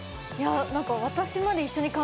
いや何か私まで。